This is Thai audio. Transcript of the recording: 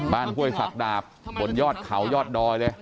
บ้านกล้วยศักดาบบนยอดเขายอดดอก